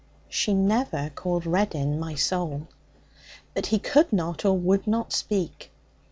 She never called Reddin 'my soul.' But he could not or would not speak.